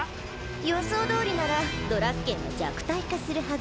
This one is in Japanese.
予想通りならドラッケンは弱体化するはず。